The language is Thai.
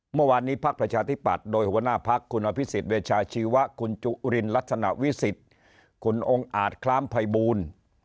๑เมื่อวานนี้ภักดิ์ประชาธิปัตย์โดยหัวหน้าภักดิ์คุณอภิษฐ์เวชาชีวะคุณจุฬินรัฐนวิสิตคุณองค์อาทครามไพบูล